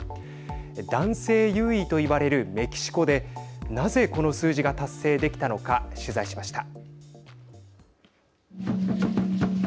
男性優位と言われるメキシコでなぜ、この数字が達成できたのか取材しました。